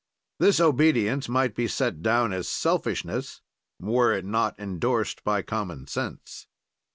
"This obedience might be set down as selfishness were it not endorsed by common sense.